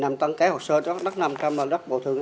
nằm tăng kéo hồ sơ đất nằm trong đất bộ thường